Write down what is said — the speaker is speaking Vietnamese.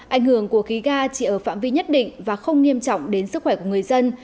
ảnh hưởng của khí ga chỉ ở phạm vi nhất định và không nghiêm trọng đến sức khỏe của người dân